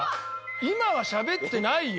今はしゃべってないよ。